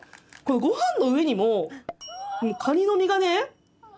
ご飯の上にもカニの身がね。